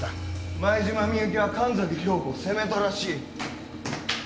前島美雪は神崎涼子を責めたらしい。